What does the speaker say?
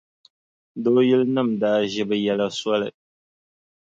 Dooyilinima daa ʒi bɛ yɛla soli.